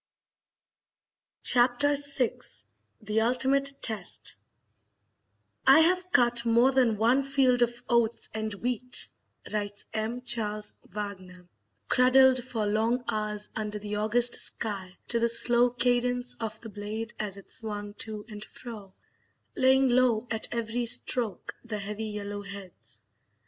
Chapter VI The Ultimate Test "I have cut more than one field of oats and wheat," writes M. Charles Wagner, "cradled for long hours under the August sky to the slow cadence of the blade as it swung to and fro, laying low at every stroke the heavy yellow heads.